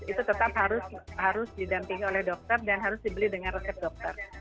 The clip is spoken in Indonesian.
itu tetap harus didampingi oleh dokter dan harus dibeli dengan resep dokter